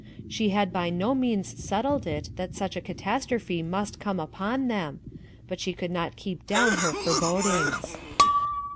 She had by no means settled it that such a catastrophe must come upon them, but she could not keep down her forebodings.